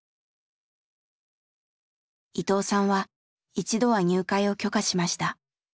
伊藤さんは一度は入会を許可しました。